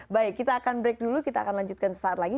baik kita akan break dulu kita akan lanjutkan sesaat lagi